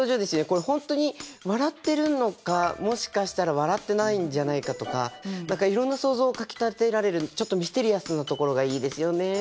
これ本当に笑ってるのかもしかしたら笑ってないんじゃないかとか何かいろんな想像をかきたてられるちょっとミステリアスなところがいいですよね。